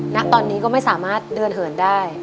ณตอนนี้ก็ไม่สามารถเดินเหินได้